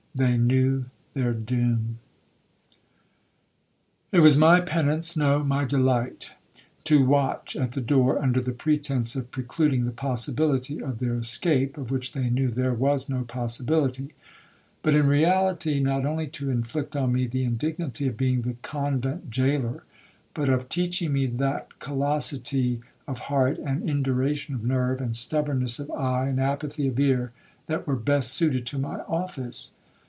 —they knew their doom. It was my penance (no,—my delight) to watch at the door, under the pretence of precluding the possibility of their escape, (of which they knew there was no possibility); but, in reality, not only to inflict on me the indignity of being the convent gaoler, but of teaching me that callosity of heart, and induration of nerve, and stubbornness of eye, and apathy of ear, that were best suited to my office.